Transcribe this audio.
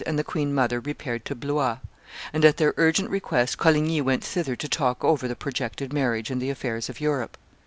and the queen mother repaired to Blois; and at their urgent request Coligny went thither to talk over the projected marriage and the affairs of Europe.